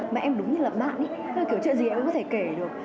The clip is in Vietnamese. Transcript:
mẹ em đúng như là bạn ý kiểu chuyện gì em cũng có thể kể được